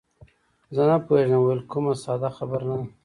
زه نه پوهېږم ویل، کومه ساده خبره نه ده.